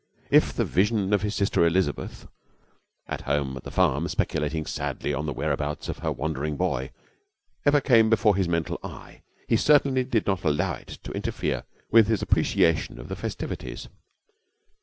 If the vision of his sister Elizabeth, at home at the farm speculating sadly on the whereabouts of her wandering boy, ever came before his mental eye he certainly did not allow it to interfere with his appreciation of the festivities.